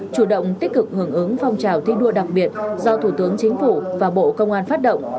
chủ động tích cực hưởng ứng phong trào thi đua đặc biệt do thủ tướng chính phủ và bộ công an phát động